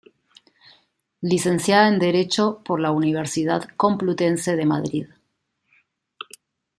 Licenciada en Derecho por la Universidad Complutense de Madrid.